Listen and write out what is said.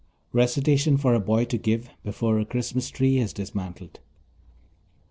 = (Recitation for a boy to give before a Christmas tree is dismantled.)